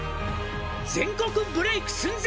「全国ブレイク寸前！」